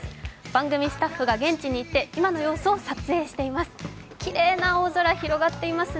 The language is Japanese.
番組スタッフが現地に行って、今の様子を撮影しています。